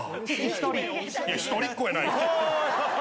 一人っ子やないかい。